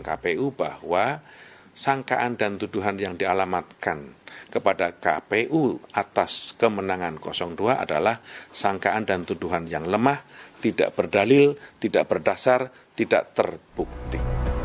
kpu bahwa sangkaan dan tuduhan yang dialamatkan kepada kpu atas kemenangan dua adalah sangkaan dan tuduhan yang lemah tidak berdalil tidak berdasar tidak terbukti